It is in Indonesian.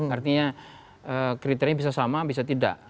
artinya kriteria bisa sama bisa tidak